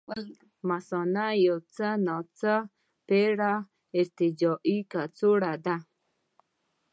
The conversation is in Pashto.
مثانه یو څه ناڅه پېړه ارتجاعي کڅوړه ده.